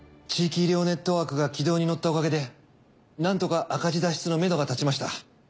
地域医療ネットワークが軌道に乗ったおかげでなんとか赤字脱出のメドが立ちました。